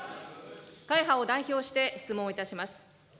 会派を代表して質問をいたします。